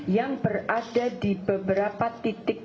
yang berada di beberapa titik